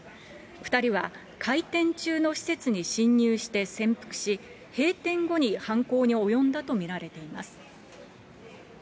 ２人は、開店中の施設に侵入して潜伏し、閉店後に犯行に及んだと見られています。